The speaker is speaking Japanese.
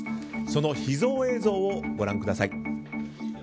その秘蔵映像をご覧ください。